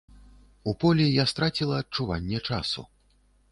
У полі я страціла адчуванне часу.